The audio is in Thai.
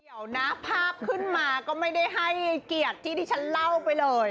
เดี๋ยวนะภาพขึ้นมาก็ไม่ได้ให้เกียรติที่ที่ฉันเล่าไปเลย